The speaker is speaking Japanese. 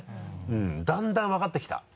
うんだんだん分かってきた。